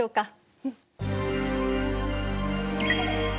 うん。